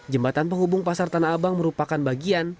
jembatan penghubung pasar tanah abang merupakan bagian